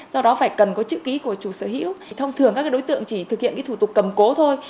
do đó phải cần có chữ ký của chủ sở hữu thông thường các đối tượng chỉ thực hiện thủ tục cầm cố thôi